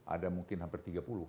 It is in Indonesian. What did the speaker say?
ada mungkin hampir tiga puluh